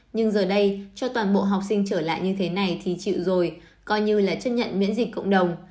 nhưng giờ đây cho toàn bộ học sinh trở lại như thế này thì chịu rồi coi như là chấp nhận miễn dịch cộng đồng